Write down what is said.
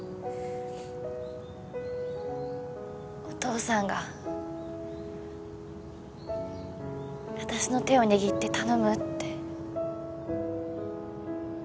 お父さんが私の手を握って頼むって。